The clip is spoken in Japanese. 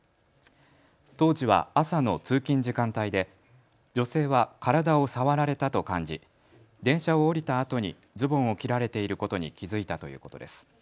当時は朝の通勤時間帯で女性は体を触られたと感じ電車を降りたあとにズボンを切られていることに気付いたということです。